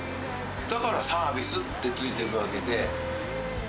だからサービスってついてるわけで。